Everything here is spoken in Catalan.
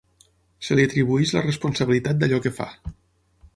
Se li atribueix la responsabilitat d'allò que fa.